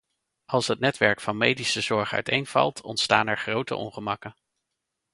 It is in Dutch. Als het netwerk van medische zorg uiteenvalt ontstaan er grote ongemakken.